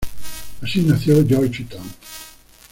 Así nació Georgetown.